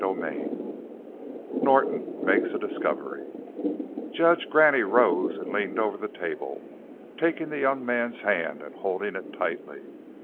'" CHAPTER III NORTON MAKES A DISCOVERY Judge Graney rose and leaned over the table, taking the young man's hand and holding it tightly.